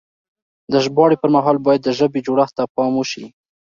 د ژباړې پر مهال بايد د ژبې جوړښت ته پام وشي.